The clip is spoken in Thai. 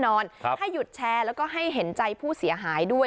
นอนครับให้อยุ่ดแชอร์แล้วก็ให้เห็นใจผู้เสียหายด้วย